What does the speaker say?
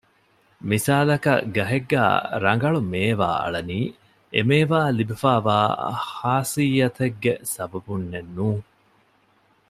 މިސާލަކަށް ގަހެއްގައި ރަނގަޅު މޭވާ އަޅަނީ އެ މޭވާ އަށް ލިބިފައިވާ ޚާޞިއްޔަތެއްގެ ސަބަބުންނެއް ނޫން